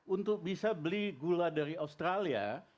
untuk bisa beli gula dari australia